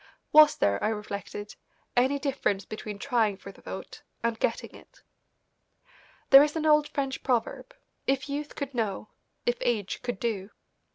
Was there, I reflected, any difference between trying for the vote and getting it? There is an old French proverb, "If youth could know; if age could do."